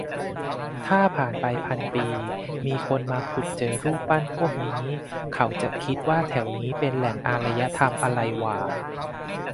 ถ้าผ่านไปพันปี มีคนมาขุดเจอรูปปั้นพวกนี้ เขาจะคิดว่าแถวนี้เป็นแหล่งอารยธรรมอะไรหว่า ?